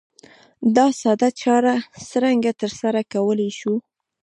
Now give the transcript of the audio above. دا ساده چاره څرنګه ترسره کولای شو؟